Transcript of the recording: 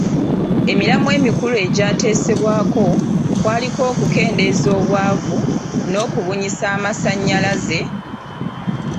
Emiramwa emikulu egyateesebwako kwaliko okukendeeza obwavu n'okubunyisa amasannyalaze,